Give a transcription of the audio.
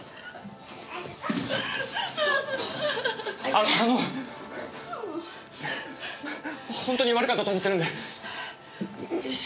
あのあのほんとに悪かったと思ってるんでこれ。